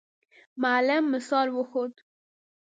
معلم مثال وښود.